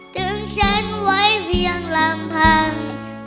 ถึงฉันไว้เพียงลำพัง